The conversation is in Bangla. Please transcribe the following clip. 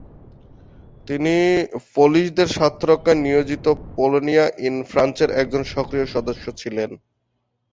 তিনি পোলিশদের স্বার্থরক্ষায় নিয়োজিতো পোলনিয়া ইন ফ্রান্সের একজন সক্রিয় সদস্য ছিলেন।